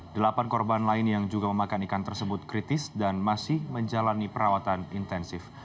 delapan korban lain yang juga memakan ikan tersebut kritis dan masih menjalani perawatan intensif